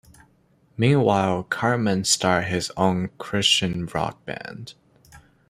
Meanwhile, Cartman starts his own Christian rock band.